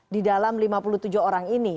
di dalam lima puluh tujuh orang ini